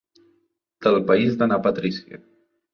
Del país de na Patrícia.